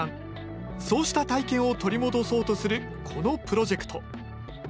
そうした体験を取り戻そうとするこのプロジェクト。